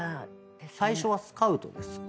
最初はスカウトですか？